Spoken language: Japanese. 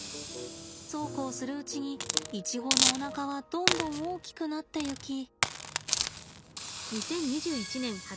そうこうするうちにイチゴのおなかはどんどん大きくなっていき。